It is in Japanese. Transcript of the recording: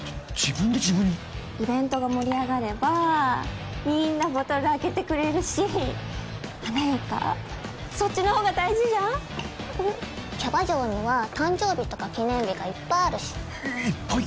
イベントが盛り上がればみんなボトルあけてくれるし華やかそっちのほうが大事じゃんキャバ嬢には誕生日とか記念日がいっぱいあるしいっぱい？